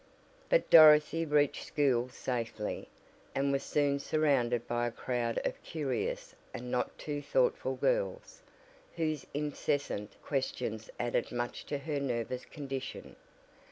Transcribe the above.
But Dorothy reached school safely, and was soon surrounded by a crowd of curious, and not too thoughtful girls, whose incessant questions added much to her nervous condition.